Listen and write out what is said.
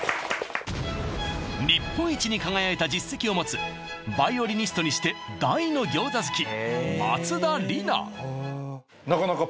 日本一に輝いた実績を持つヴァイオリニストにして大の餃子好き松田理奈